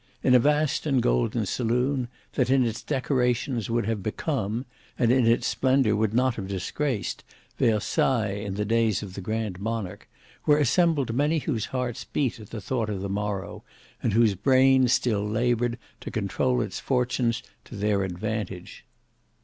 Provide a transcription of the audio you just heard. In a vast and golden saloon, that in its decorations would have become, and in its splendour would not have disgraced, Versailles in the days of the grand monarch, were assembled many whose hearts beat at the thought of the morrow, and whose brains still laboured to control its fortunes to their advantage.